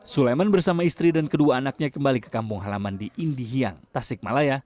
sulaiman bersama istri dan kedua anaknya kembali ke kampung halaman di indihiyang tasik malaya